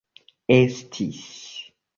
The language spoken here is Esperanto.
estis